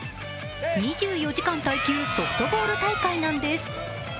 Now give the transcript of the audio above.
２４時間耐久ソフトボール大会なんです。